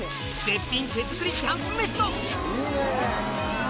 絶品手作りキャンプ飯も！